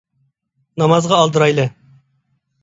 نامازغا ئالدىرايلى